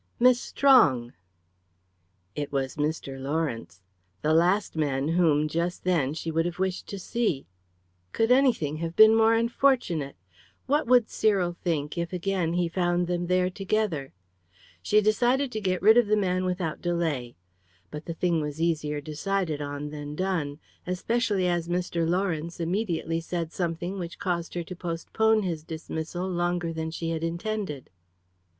"Miss Strong!" It was Mr. Lawrence. The last man whom, just then, she would have wished to see. Could anything have been more unfortunate? What would Cyril think if, again, he found them there together. She decided to get rid of the man without delay. But the thing was easier decided on than done. Especially as Mr. Lawrence immediately said something which caused her to postpone his dismissal longer than she had intended.